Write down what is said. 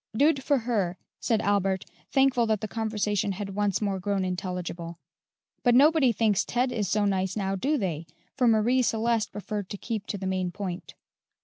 "Dood for her," said Albert, thankful that the conversation had once more grown intelligible. "But nobody thinks Ted is so nice now, do they?" for Marie Celeste preferred to keep to the main point.